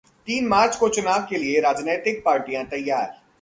तीन मार्च को चुनाव के लिए राजनैतिक पार्टियां तैयार